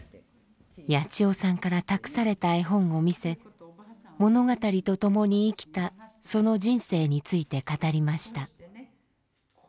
ヤチヨさんから託された絵本を見せ物語と共に生きたその人生について語りました。